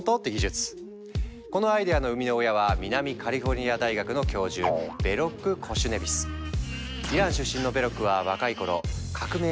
このアイデアの生みの親は南カリフォルニア大学の教授イラン出身のベロックは若い頃革命を経験。